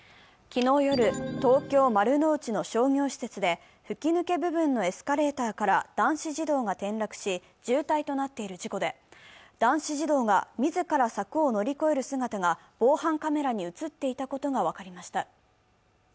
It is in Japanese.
昨日夜、東京・丸の内の商業施設で吹き抜け部分のエスカレーターから男子児童が転落し、重体となっている事故で男子自動が自ら柵を乗り越える姿が防犯カメラに映っていたことが分かりました。